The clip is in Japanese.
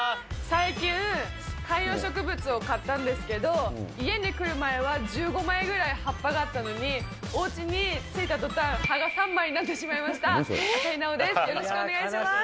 最近、観葉植物を買ったんですけど、家に来る前は１５枚ぐらい葉っぱがあったのに、おうちに着いたとたん、葉が３枚になってしまいました、朝日奈央です、よろしくお願いします。